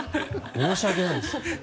申し訳ないです。